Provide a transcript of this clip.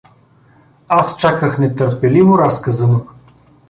Аз чаках нетърпеливо разказа му.